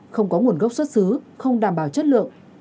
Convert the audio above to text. không có nguồn gốc xuất xứ không đảm bảo chất lượng